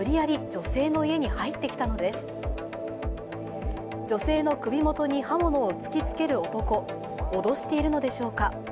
女性の首元に刃物を突きつける男脅しているのでしょうか。